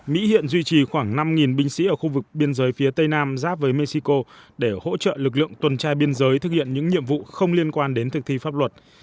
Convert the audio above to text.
mỹ hiện duy trì khoảng năm binh sĩ ở khu vực biên giới phía tây nam giáp với mexico để hỗ trợ lực lượng tuần trai biên giới thực hiện những nhiệm vụ không liên quan đến thực thi pháp luật